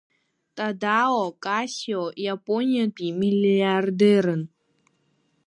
Тадао Касио Иапониатәи миллиардерын.